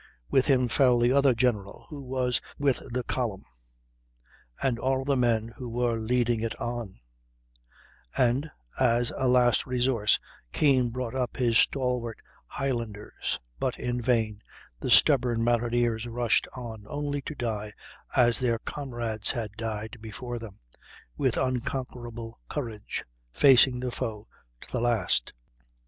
With him fell the other general who was with the column, and all of the men who were leading it on; and, as a last resource, Keane brought up his stalwart Highlanders; but in vain the stubborn mountaineers rushed on, only to die as their comrades had died before them, with unconquerable courage, facing the foe, to the last.